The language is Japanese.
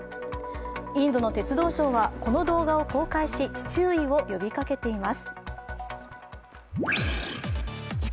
インドの鉄道省はこの動画を公開し、注意を呼びかけています。